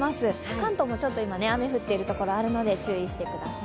関東もちょっと雨が降っているところあるので、注意してください。